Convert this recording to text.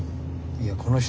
いやこの人。